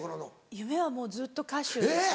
夢はもうずっと歌手でした。